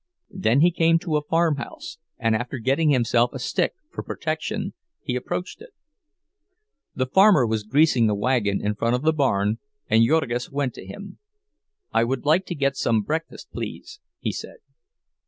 Then he came to a farm house, and after getting himself a stick for protection, he approached it. The farmer was greasing a wagon in front of the barn, and Jurgis went to him. "I would like to get some breakfast, please," he said.